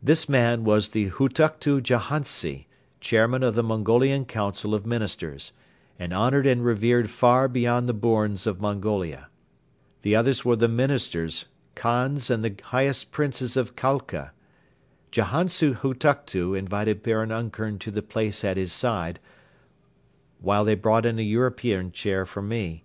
This man was the Hutuktu Jahantsi, Chairman of the Mongolian Council of Ministers, and honored and revered far beyond the bournes of Mongolia. The others were the Ministers Khans and the Highest Princes of Khalkha. Jahantsi Hutuktu invited Baron Ungern to the place at his side, while they brought in a European chair for me.